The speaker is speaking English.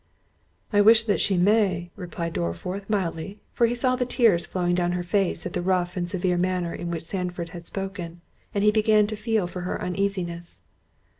"I wish that she may—" replied Dorriforth mildly, for he saw the tears flowing down her face at the rough and severe manner in which Sandford had spoken, and he began to feel for her uneasiness.